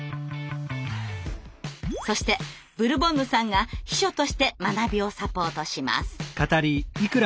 そしてブルボンヌさんが秘書として学びをサポートします。